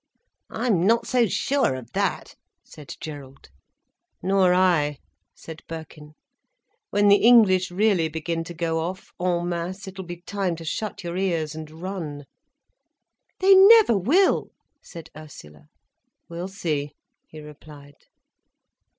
"I'm not so sure of that," said Gerald. "Nor I," said Birkin. "When the English really begin to go off, en masse, it'll be time to shut your ears and run." "They never will," said Ursula. "We'll see," he replied.